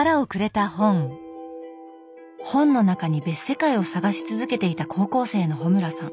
本の中に別世界を探し続けていた高校生の穂村さん。